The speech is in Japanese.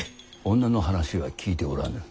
女の話は聞いておらぬ。